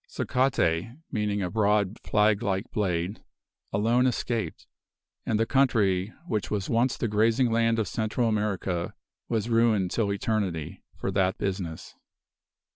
Sacate ('a broad flag like blade') alone escaped, and the country which was once the grazing land of Central America was ruined till eternity, for that business.